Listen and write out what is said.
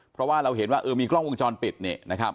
เพราะว่าเราเห็นว่าเออมีกล้องวงจรปิดเนี่ยนะครับ